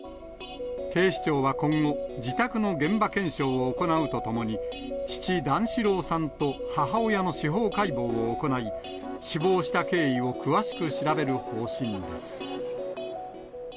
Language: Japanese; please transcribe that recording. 自宅の現場検証を行うとともに、父、段四郎さんと母親の司法解剖を行い、死亡した経緯を詳しく調べる方針です。